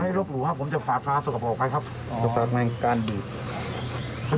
ไม่รบหลุวครับผมจะฝาสะกับออกไปครับ